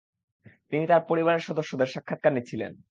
তিনি তাঁর পরিবারের সদস্যদের সাক্ষাৎকার নিয়েছিলেন।